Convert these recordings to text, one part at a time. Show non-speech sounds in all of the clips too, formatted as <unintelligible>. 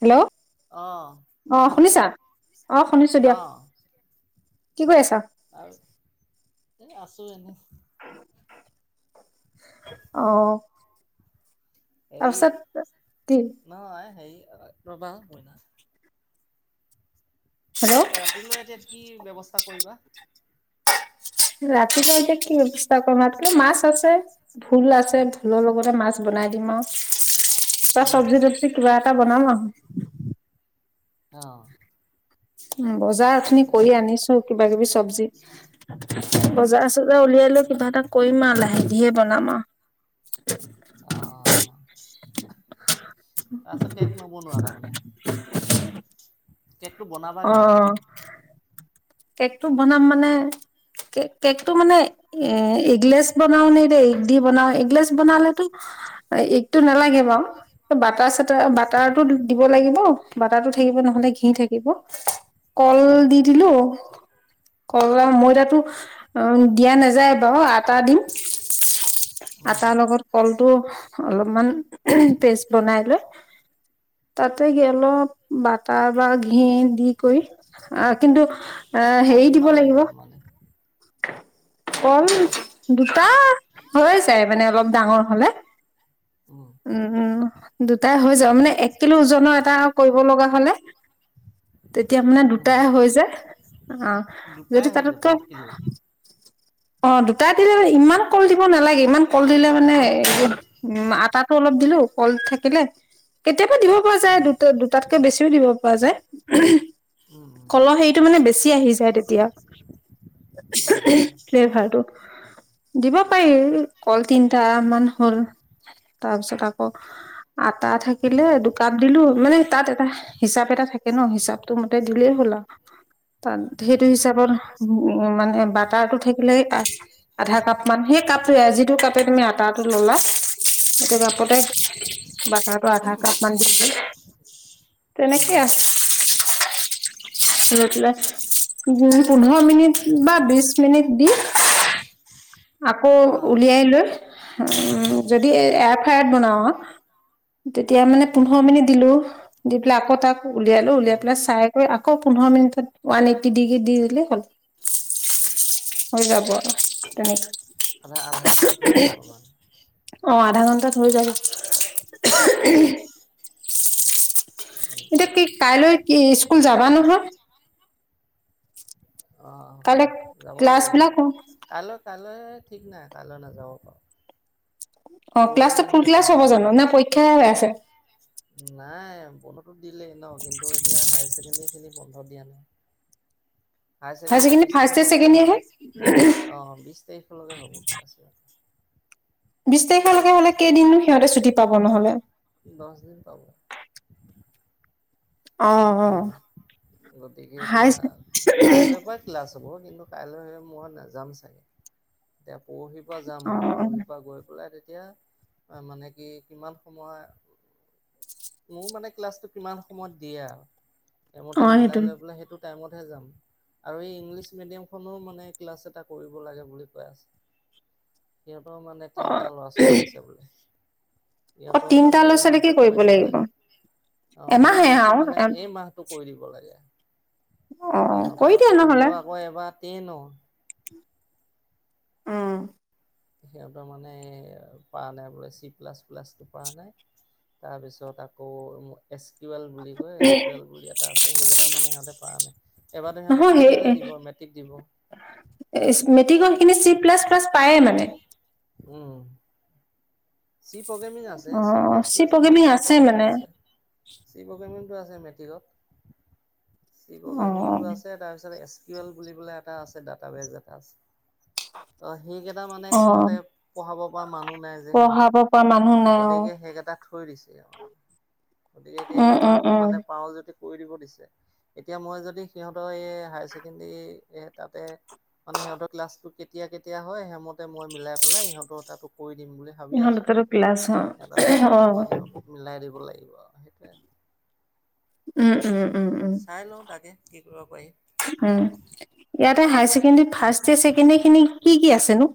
Hello অহ অঁ শুনিছানে শুনিছা অঁ শুনিছোঁ দিয়ক। অহ আৰু এ আছোঁ এনেই। অহ হেৰি তাৰপিছত কি নহয় হেৰি ৰবা হেল্ল' ৰাতিলৈ এতিয়া কি ব্যৱস্থা কৰিবা ৰাতিপুৱা এতিয়া কি ব্যৱস্থা কৰিম, মাছ আছে ভোল আছে ভোলৰ লগতে মাছ বনাই দিম আৱ ত উম চবজি তবজি কিবা এটা বনাম আৱ অহ উম বজাৰ উঠোনি কৰি আনিছো। কিবা কিবি চব্জি বজাৰ চজাৰ উলিয়াই লৈ কিবা এটা কৰিম আৱ লাহে দিহে বনাম আৱ। <unintelligible> অ অ অ <unintelligible> তাৰছত কেক নবনোৱা তামানে অ কেকটো বনাম মানে কে কেকটো মানে এ এগলেছ বনাও নে এতিয়া এগ দি বনাও এগলেছ বনালেতো এ এগটো নালাগে বাও বাটাৰ চাটাৰ বাটাৰটো দিব লাগিব। বাটাৰটো থাকিব নহ'লে ঘি থাকিব। কল উম দি দিলোঁ। কল আৰু মইদাটো। অ দিয়া নেযায় বাৰু আটা দিম উম আটা লগত কল। টো অলপমান উমহ পেষ্ট বনাই লৈ। তাতে কি অলপ বাটাৰ বা ঘি দি কৰি আহ কিন্তু আহ কল হেৰী দিব কিমান লাগিব। মানে কম দুটা হৈ যাই মানে অলপ ডাঙৰ হ'লে উম উম। দুটাই হৈ যাব মানে এক কিলো ওজনৰ এটা কৰিব লগা হলে। তেতিয়া মানে উম দুটাই হৈ যায়। অ দুটাই যদি হৈ যাব তাতোতকৈ এক কিলোত অ দুটাই দ ইমান কল দিব নালাগে ইমান কল দিলে মানে উ আটাটো অলপ দিলো কল থাকিলে। কেতিয়াবা দিব পৰা যায় উম উম উম দুটা দুটাতকে বেছিও দিব পৰা যায়। কলহ হেৰিটো মানে বেছি আহি যায় তেতিয়া উম উম ভটো দিব পাৰি কল তিনটা মান হল। তাৰপিছত আকৌ আটা থাকিলে। দুকাপ দিলো মানে তাত এটা হিচাপ এটা থাকে ন হিচাপটো মতে দিলেই হ'ল আও। তাত সেইটো হিচাপত উ মানে বাটাৰটো থাকি। বোলে আধা কাপ মান সেই কাপটো যিটো কাপে তুমি আটাটো ললা। এক কাপতে বাটাৰটো আধা কাপ মান দিছিলো। উম তেনেকে উম প পোন্ধৰ মিনিট বা বিশ মিনিট। দি আকৌ অহ উলিয়াই লৈ। উ যদি এফয়াত বনাও। তেতিয়া উম মানে উম পোন্ধৰ মিনিট দিলো দি পেলাই আকৌ তাক উলিয়ালো উলিয়াই উম পেলাই চাই কৰি আক। আকৌ পোন্ধৰ মিনিটত ওৱান এইট্টি ডিগ্ৰী দি দিলে হ'ল। হৈ যাব তেনেক আধা আধা ঘণ্টাত হৈ যাব মানে অ আধা ঘণ্টাত হৈ যাব। উম এতিয়া উম কি কাইলৈ কি স্কুল যাবা নহয়। অঁ কাইলে ক্লাছ বিলাকো কাইলে ঠিক নাই কাইলে নাযাবও পাৰো। অ ক্লাছটো ফুল পৰহিহে ক্লাছ যাম হব চাগে জানো নে পৰীক্ষাই হৈ আছে নাই বন্ধটো দিলেই ন কিন্তু এতিয়া হায়াৰ ছেকেণ্ডৰী খিনি বন্ধ দিয়া নাই higher secondary first year second year হে অ বিশ তাৰিখলৈকে হ'ব ক্লাছ- বিশ তাৰিখলৈকে হলে কেইদিননো সিহঁতে ছুটি পাব নহলে। দছ দিন পাব অ অ উম গতিকে হাই এতিয়া কাইলে পা ক্লাছ হব কিন্তু কাইলে মই নাযাম চাগে এতিয়া পৰহিৰ পৰা যাম অ আৰু অ পৰহিৰ অ পৰা গৈ পেলাই তে এতিয়া মানে কি কিমান সময় মোৰ মানে ক্লাছটো কিমান সময়ত দিয়ে আও সেইমতে সেইটো মিলাই লৈ পেলাই সেইটো টাইমতহে যাম। আৰু এই ইংলিছ মিডিয়াম খনো মানে ক্লাছ এটা কৰিব লাগে বুলি কৈ আছে। সিহঁতৰ মানে অ তিনিটা ল'ৰা- ছোৱালী আছে বোলে। অহ, সিহঁতৰ মানে তিনটা ল'ৰা এই মাহটো -ছোৱালীকে কৰি কৰিব দিব লাগে। লাগিব এমাহে আও। ত' কৈ দিব লাগে কৰি সিহঁতৰ দিয়া নহ'লে -সিহঁতৰ আকৌ এবাৰ তে ন ' উম সিহঁতৰ মানে পাৰা নাই বোলে চি প্লাছ প্লাছটো পাৰা নাই তাৰপিছত আকৌ এস্কুৱেল বুলি কয় এস্কুৱেল বুলি এটা আছে সেইকেইটা মানে সিহতে পাৰা নাই এইবাৰটো সিহঁতে নহয় সেই ফাইনেলে দিব। ক মেট্ৰিক দিব মেট্ৰিকৰ সেইখিনি চি প্লাছ- প্লাছ পায়ে মানে। উম চি প্ৰগ্ৰেমিং আছে, অ চি প্লাছ- প্লাছ নহয়, প্ৰগ্ৰেমিং চি আছে প্ৰগ্ৰেমিং মানে আছে। চি প্ৰগ্ৰেমিং সিটো আছে মেট্ৰিকত চি প্ৰগ্ৰামিংটো আছে তাৰ পাছত টোৱেল বুলি পেলায় এটা আছে ডা বেজ এটা আছে অহ সেইকেইটা মানে অ সিহঁতে পঢ়াব পৰা মানুহ নাই যে সিহঁতৰ পঢ়াব পৰা মানুহ নাই অ গতিকে সেই কেইটা থৈ দিছে আও গতিকে এতিয়া উম এই উম মাহটো উম মানে পাৰো যদি কৰি দিব দিছে এতিয়া মই যদি সিহঁতৰ এই হায়াৰ ছেকেণ্ডৰী তাতে মানে সিহঁতৰ ক্লাছটো কেতিয়া- কেতিয়া হয় সেইমতে মই মিলাই পেলাই সিহঁতৰ তাতো কৰি দিম বুলি ভাবি ইহঁত আছো। দুটাৰো ক্লাছ ন‌' <unintelligible> অহ। কৰিব লাগিব আও সেইটোৱে। উম উম উম চাই লও তাকে কি কৰিব পাৰি উম, ইয়াতে higher secondary first year secondary খিনি কি-কি আছে নো?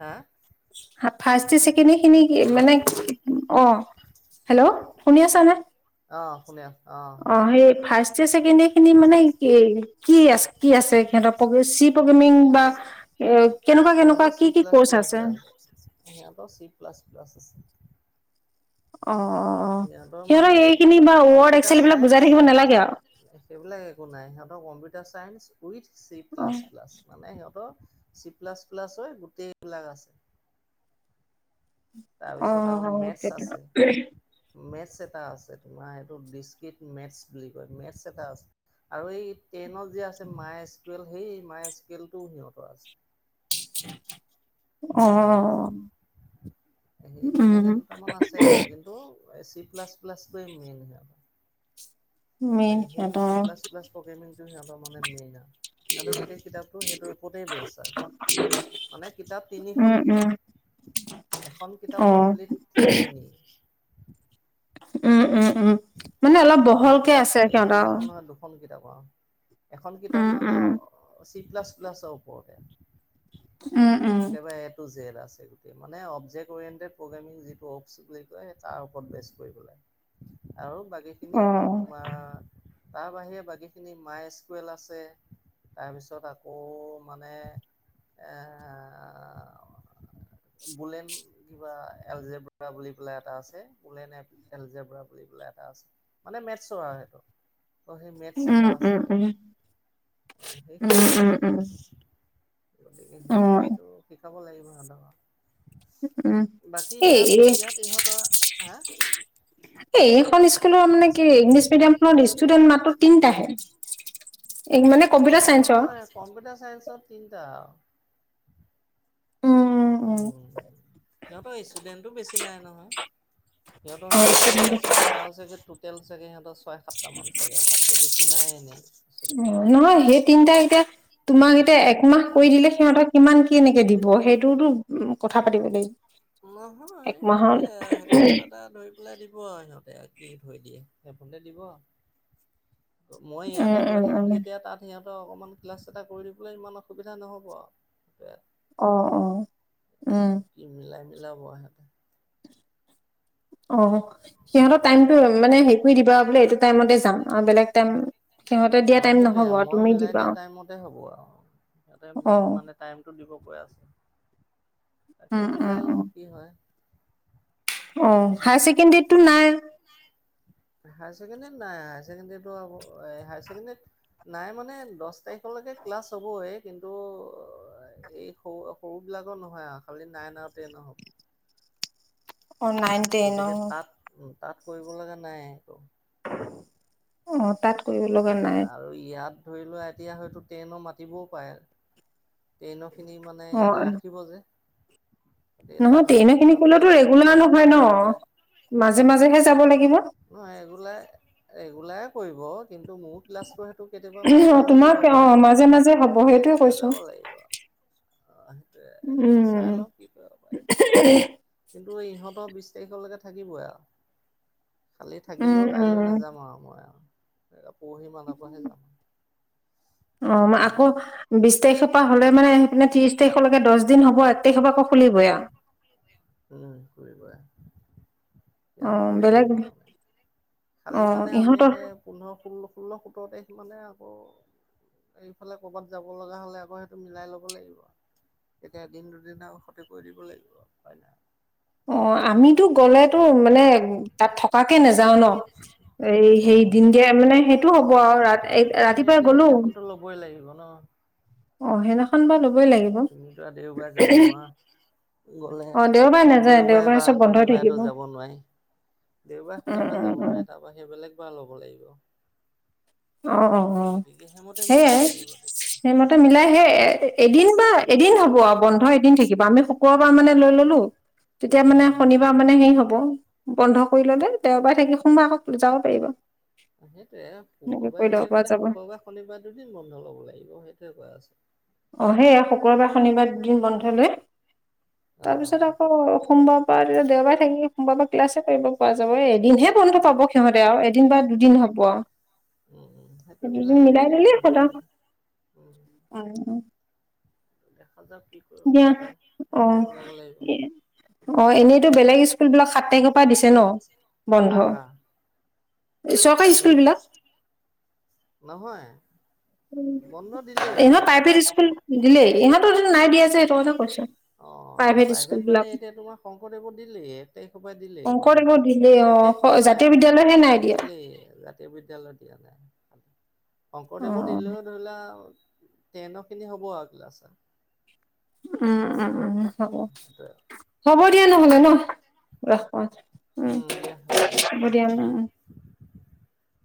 হা? ফাৰ্ষ্ট ইয়েৰ, চেকেণ্ড ইখিনি হেল্ল' মানে অহ হেল্ল' শুনি আছানে? অহ, শুনি আছোঁ। অহ, সেই ফাৰ্ষ্ট ইয়াৰ, ছেকেণ্ড ইয়াৰ খিনি মানে কি আছে? কি আছে সিহঁতৰ চি প্ৰগ্ৰেমিং বা এ কেনেকুৱা কেনেকুৱা সিহঁতৰ কি চি কি প্লাছ কৰ্চ -প্লাছে আছে সিহঁতৰ চি প্লাছ- প্লাছ আছে। অহ সিহঁতৰ মানে ৱৰ্ড এক্সেল কম্পিউটাৰ এইবিলাক বুজাই থাকিব চাইন্স, নালাগে আৰু সেইবিলাক একো নাই সিহঁতৰ কম্পিউটাৰ চাইস ৱিইথ চি প্লাছ - প্লাছ মানে সিহঁতৰ চি প্লাছ -প্লাছ হয় গোটেইবিলাক আছে। তাৰপিছত আৰু অহ, সেইটো <unintelligible> চেটা আছে তোমাৰ এইটো ডিচকিপ মেতচ বুলি কয় মেতছ এটা আছে। আৰু এই টেনত যে আছে মায় স্কুৱেল সেই মায় স্কেলটো সিহঁতৰ আছে। এ অহ। সেই তেনেকে দুটামান আছে আৰু কিন্তু, এ চি প্লাছ- প্লাছটোৱে মেইন সিহঁতৰ। মেইন গতিকে সেই চি সিহঁতৰ। প্লাছ প্লাছ প্ৰগ্ৰেমিংটো সিহঁতৰ মানে মেইন আও সিহঁতৰ গোটেই কিতাপটো সেইটোৰ ওপতেই বেছ আৰু। মানে কিতাপ উম তিনিখন উম কিতাপ এখন অ কিতাপ কমপ্লিট সেইখিনি উম -উম -উম মানে অলপ অ' বহলকে কিতাপ আছে এই সিহঁতৰ। তিনিখন নহয় দুখন কিতাপ এখন কিতাপ উম মানে উম চি প্লাছ -প্লাছৰ ওপৰতে উম উম একেবাৰে এটো জেদ আছে। গোটেই মানে অবজেক্ট অৰিয়েণ্টেড প্ৰগ্ৰেমিং যিটো অকচ বুলি কয় তাৰ ওপৰত বেচ কৰি পেলাই। আৰু বাকী খিনি অ তোমাৰ তাৰ বাহিৰে বাকীখিনি মাই স্কুৱেল আছে। তাৰপিছত আকৌ মানে এ আ বোলেন কিবা এলজেব্ৰা বুলি পেলাই এটা আছে। বোলেন এলজেব্ৰা বুলি পেলাই এটা আছে। মানে মেথছটো আৰু সেইটো। অ সেই মেথছ উম এটা আছে। উম উম অ উম সেইখিনিয়ে উম আছে। উম গতিকে অ সেইখিনিতো শিকাব লাগিব সিহঁতক। উম বাকী ইয়াত এই ইয়াত ইহঁতৰ, হা? এখন স্কুলৰ মানে কি? ইংলিছ মিডিয়াম খনত ষ্টুডেন্ট মাত্ৰ তিনটাহে? এই মানে কম্পিউটাৰ চাইন্সৰ নহয়, কম্পিউটাৰ চাইন্সত তিনিটা আও। উম উ উম সিহঁতৰ ষ্টুডেন্টো বেছি নাই নহয়। সিহঁতৰ সেইটো তিনটা চাগে আৰু চাগে টো টোটেল চাগে সিহঁতৰ ছয়, সাতটামান চাগে। তাতকৈ বেছি নাই এনেই। ষ্টুডেণ্ট। অ নহয় সেই তিনটা এতিয়া তোমাক এতিয়া একমাহ কৰি দিলে সিহঁতক কিমান কেনেকে দিব সেইটোওটো কথা পাতিব লাগিব। নহয় একমাহৰ সেইটোৱে। সেইটো কিবা এটা ধৰি পেলাই দিব আৰু সিহঁতে কি ধৰি দিয়ে। সেইফোনতে দিব। মই উম ইয়াতে গৈ উম থাকিম উম যেতিয়া তাত সিহঁত অকমান ক্লাছ এটা কৰি দিবলৈ ইমান অসুবিধা নহ'ব আও। অ, অ উম। ইলা বৰাহঁতে অ সিহঁতৰ টাইমটো মানে হে কৰি দিবা। বোলে এইটো টাইমতে যাম। আৰু বেলেগ টাইম সিহঁতে দিয়া অ টাইম সেইটোৱে। নহ'ব আৰু মই তুমি মিলাই দিবা দিয়া টাইমমতে হ'ব আৰু সিহঁতে অ মোক মানে টাইমটো দিব কৈ আছে। উম তাকে উম মিলাই উম লও কি হয়। অ হায়াৰ ছেকেণ্ডৰীতটো নাই? হায় ছেকেণ্ডাৰী নাই। হাই ছেকেণ্ডাৰীটো আকৌ হাই নাই মানে দছ তাৰিখলৈকে ক্লাছ হ'বই। কিন্তু এই সৰু সৰু বিলাকৰ নহয় আ খালি নাইন আৰু টেইনৰ হ'ব। অ নাইন, টেইন অ। গতিকে তাত তাত কৰিব লগা নাইয়ে একো। অ, তাত কৰিব লগা নাই। আৰু ইয়াত ধৰি লোৱা এতিয়া হয়তো টেইনৰ মাতিবও পাএ। টেইনৰখিনি মানে অ ইয়াতে ৰাখিব যে। গতিকে নহয় তাত হয়তো টেইনৰ খিনি কলেতো ৰেগুলাৰ নহয় ন? মাজে মাজেহে যাব লাগিব ন এইৰেগুলাই ৰেগুলাই কৰিব। কিন্তু মোৰ ক্লাছটো হে টো কেতিয়াবা মাজে অ মাজে দিব তোমাক অ মাজে মাজে পাৰে। হ'ব দিলে সেইটোৱে তেতিয়া কৈছো যাব লাগিব আও। অ সেইটোৱে। উম চাই লওঁ কি কৰিব পাৰি। ত ইহঁতৰ বিছ তাৰিখলৈকে থাকিবই আও। খালি উম থাকিলেও উম কাইলৈ নাযাম আৰু মই আৰু। এ পৰহি মানৰ পৰাহে যাম। অ উম, আকৌ বিছ তাৰিখৰ পৰা হ'লে মানে সেইপিনে ত্ৰিছ তাৰিখলৈকে দছ দিন হ'ব। এক তাৰিখৰ পৰা আকৌ খুলিবই আও। উম, কৰিবই অ সিহঁতে কৰিয়ে বেলেগ থাকিব মানে। অ খালি মানে আমি ইহঁতৰ সেই পোন্ধৰ, ষোল্ল, ষোল্ল, সোতৰ তাৰিখ মানে আকৌ এইফালে কৰবাত যাব লগা হলে আকৌ সেইটো মিলাই লব লাগিব। তেতিয়া এদিন দুদিন আৰু ক্ষতি কৰি দিব লাগিব আৰু উপায় নাই। অ আমিতো গলেতো মানে তাত থকাকে নাযাও ন? এই উম, সেই উম। দিন দিয়াৰ মানে সেইটো হ'ব আৰু ৰা এই তথাপিতো ৰাতিপুৱাই গলোঁ অ অ সেইদিনাখন বা ল'বই লাগিব তুমিতো আৰু দেওবাৰে যাব নোৱাৰা। গলে অ দেওবাৰে নাযায় দেওবাৰে বা চব বন্ধ শনিবাৰেতো থাকিব যাব নোৱাৰি-। দেওবাৰ উম শনিবাৰে উম যাব উম নোৱাৰে তাৰপৰা সেইবিলাক বিলাক ল'ব লাগিব। অ অ অ গতিকে সেইমতে মিলাব সে-। লাগিব তেতিয়া সেইমতে মিলাই সে এ এদিন বা এদিন হব-। বন্ধ এদিন থাকিব আমি শুকুৰবাৰ মানে লৈ ললোঁ তেতিয়া মানে উম শনিবাৰ মানে হেই হব-। বন্ধ কৰি ললে দেওবাৰে থাকি সোনমবাৰ আকৌ যাব পাৰিব-। উ- <unintelligible> এনেকে শুক্ৰবাৰে কৰি ল'ব গ'লে পৰা তেতিয়া যাব শুক্ৰবাৰে শনিবাৰ দুদিন বন্ধ ল'ব লাগিব সেইটোয়ে কোৱা আছে-। অ সেয়া শুক্ৰবাৰ শনিবাৰ দুদিন বন্ধ লৈ অ অ তাৰপিছত আকৌ সোমবাৰ-। তেতিয়া দেওবাৰে থাকি সোমবাৰ বা ক্লাছে কৰিব পোৱা যাব এই এদিনহে বন্ধ পাব সিহঁতে আৰু এদিন বা দুদিন হ'ব-। হ'ব আৰু - উম উ সেইটোৱে মিলাই ল'ব লাগিব দিলেই হ'ল আৰু -। <unintelligible> দেখা যায় কি কৰিব দিয়া পৰা যায় অ সেইমতে মিলাব লাগিব-। এ অ এনেইতো বেলেগ স্কুল বিলাক সাত তাৰিখৰ পৰা দিছে ন কাৰ বন্ধ? কাৰ চৰকাৰী স্কুল বিলাক নহয়। বন্ধ দিলেই ইহঁত প্ৰাইভেট স্কুল দিলে, ইহঁতৰ যে নাই দিয়া জে সেইটো কথা কৈছো। অ। অ এই স্কুল প্ৰাইভেট বিলাক মানে এতিয়া তোমাৰ শংকৰদেৱৰ দিলেই, এক তাৰিখৰ পৰা দিলেই বন্ধ, শংকৰদেৱৰ দিলেই এক তাৰিখ অ জাতীয় বিদ্যালয়হে নাই নহয়। দিয়া দিলেই, জাতীয় বিদ্যয়ালয়ত দিয়া নাই। অ শংকৰদেৱৰ দিলেও ধৰিলোৱা। তেটন খিনি হ'ব আৰু ক্লাছ। উম উম উম। হব, সেইটোৱে। হ'ব দিয়া নহলে ন ৰাখো, উম। হ'ব দিয়াম উম উম। <unintelligible>